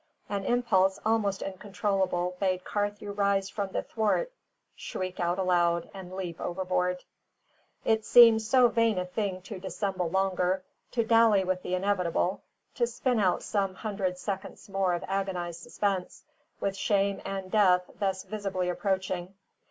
An impulse almost incontrollable bade Carthew rise from the thwart, shriek out aloud, and leap overboard; it seemed so vain a thing to dissemble longer, to dally with the inevitable, to spin out some hundred seconds more of agonised suspense, with shame and death thus visibly approaching.